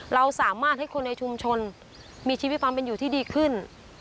เราสามารถให้คนในชุมชนมีชีวิตความเป็นอยู่ที่ดีขึ้น